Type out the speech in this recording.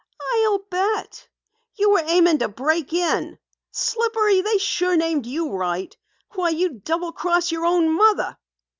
"I'll bet! You were aiming to break in! Slippery, they sure named you right. Why, you'd double cross your own mother!"